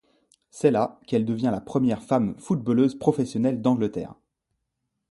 C'est là qu'elle devient la première femme footballeuse professionnelle d'Angleterre.